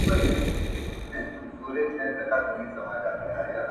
مخ یې ونیوی د نیل د سیند پر لوري!!